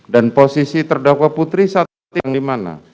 dan posisi terdakwa putri saat itu yang dimana